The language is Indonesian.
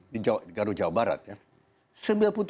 di garut jawa barat ya